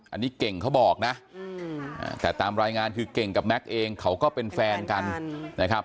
อันนี้เก่งเขาบอกนะแต่ตามรายงานคือเก่งกับแม็กซ์เองเขาก็เป็นแฟนกันนะครับ